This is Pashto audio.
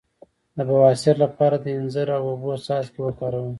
د بواسیر لپاره د انځر او اوبو څاڅکي وکاروئ